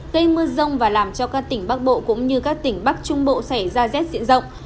gây mưa rông và làm cho các tỉnh bắc bộ cũng như các tỉnh bắc trung bộ xảy ra rét diện rộng